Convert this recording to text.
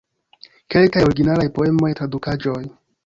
Kelkaj originalaj poemoj, tradukaĵoj.